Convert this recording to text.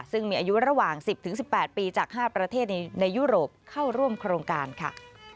ซึ่งมีอายุระหว่าง๑๐๑๘ปีจาก๕ประเทศในยุโรปเข้าร่วมโครงการค่ะ